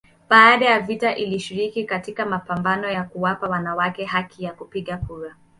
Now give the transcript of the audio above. Baada ya vita alishiriki katika mapambano ya kuwapa wanawake haki ya kupiga kura.